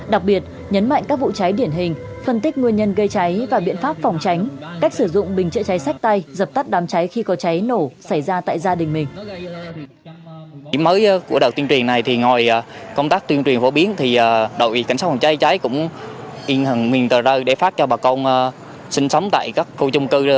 đặc biệt nhấn mạnh các vụ cháy điển hình phân tích nguyên nhân gây cháy và biện pháp phòng cháy cách sử dụng bình chữa cháy sách tay dập tắt đám cháy khi có cháy nổ xảy ra tại gia đình mình